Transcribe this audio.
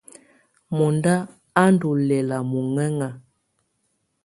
Mɔ̀na á ndù lɛ̀la mɔ̀ŋɛ̀ŋa.